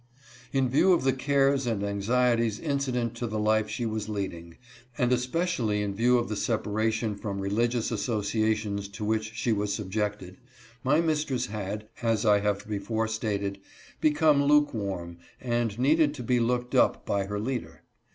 In view of the cares and anxieties incident to the life she was leading, and especially in view of the separation from religious associations to which she was subjected, my mistress had, as I have before stated, become luke warm, and needed to be looked up by her leader.